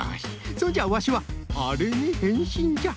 そんじゃあワシはあれにへんしんじゃ。